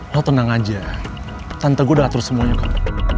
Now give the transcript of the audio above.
lo tenang aja tante gue udah atur semuanya kok